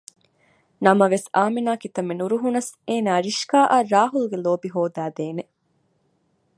ނަމަވެސް އާމިނާ ކިތަންމެ ނުރުހުނަސް އޭނާ ރިޝްކާއަށް ރާހުލްގެ ލޯބި ހޯދައިދޭނެ